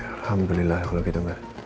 alhamdulillah kalau gitu